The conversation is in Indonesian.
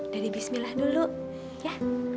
dari bismillah dulu ya